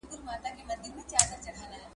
ټولنیز واقعیت د وګړو متقابل عمل څخه منځته راځي.